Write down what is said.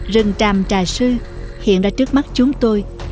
rừng trạm trà sư hiện ra trước mắt chúng tôi